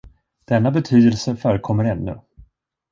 Denna betydelse förekommer ännu.